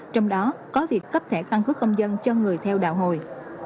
trong đó có việc cấp thẻ căn cước công dân cho người theo đạo hồi